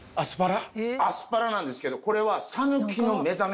アスパラなんですけどこれは。